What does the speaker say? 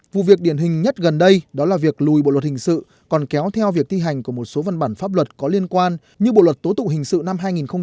vụ việc điển hình nhất gần đây đó là việc lùi bộ luật hình sự còn kéo theo việc thi hành của một số văn bản pháp luật có liên quan như bộ luật tố tụng hình sự năm hai nghìn một mươi năm